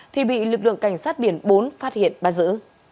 thì bị lực lượng cảnh sát biển bốn phát hiện bắt giữ